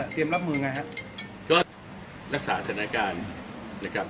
๒๑๒๕เตรียมรับมือไงครับก็รักษาธนการณ์นะครับ